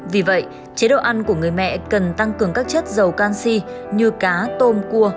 vì vậy chế độ ăn của người mẹ cần tăng cường các chất dầu canxi như cá tôm cua